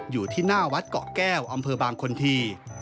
อยู่ที่หน้าวัดเกาะแก้วอำเภอบางคนที